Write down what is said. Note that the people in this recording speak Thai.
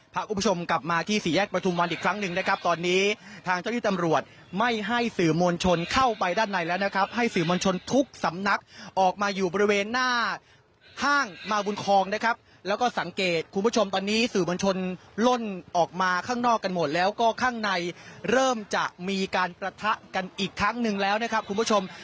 พาคุณผู้ชมกลับมาที่สี่แยกประทุมวันอีกครั้งหนึ่งนะครับตอนนี้ทางเจ้าที่ตำรวจไม่ให้สื่อมวลชนเข้าไปด้านในแล้วนะครับให้สื่อมวลชนทุกสำนักออกมาอยู่บริเวณหน้าห้างมาบุญคองนะครับแล้วก็สังเกตคุณผู้ชมตอนนี้สื่อมวลชนล่นออกมาข้างนอกกันหมดแล้วก็ข้างในเริ่มจะมีการประทะกันอีกครั้งหนึ่งแล้วนะครับคุณผู้ชม